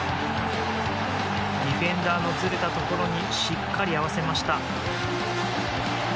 ディフェンダーのずれたところにしっかり合わせました。